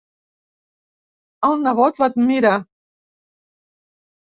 El nebot l'admira.